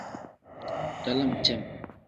Dalam cem.